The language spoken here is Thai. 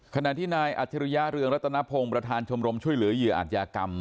ขณะที่นายอัจฉริยะเรืองรัตนพงศ์ประธานชมรมช่วยเหลือเหยื่ออาจยากรรม